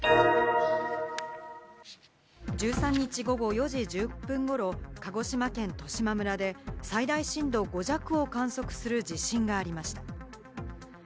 １３日の午後４時１０分頃、鹿児島県十島村で最大震度５弱を観測する地震がありました。